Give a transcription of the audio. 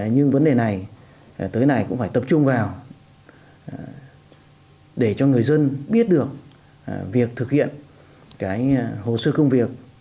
nhưng vấn đề này tới nay cũng phải tập trung vào để cho người dân biết được việc thực hiện cái hồ sơ công việc